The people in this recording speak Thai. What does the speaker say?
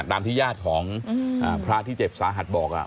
ตามที่ญาติของพระที่เจ็บสาหัสบอก